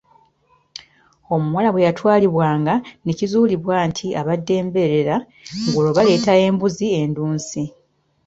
"Omuwala bwe yatwalwanga ne kizuulibwa nti abadde mbeerera, ng’olwo baleeta embuzi enduusi."